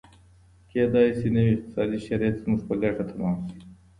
کیدای سي نوي اقتصادي شرایط زموږ په ګټه تمام سي.